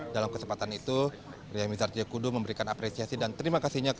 dalam kesempatan itu ria mizar ciakudu memberikan apresiasi dan terima kasihnya